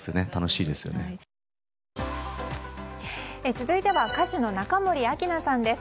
続いては歌手の中森明菜さんです。